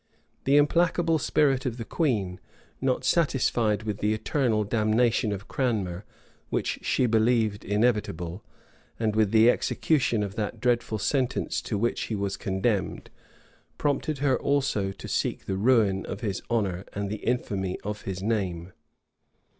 [*] The implacable spirit of the queen, not satisfied with the eternal damnation of Cranmer, which she believed inevitable, and with the execution of that dreadful sentence to which he was condemned, prompted her also to seek the ruin of his honor and the infamy of his name.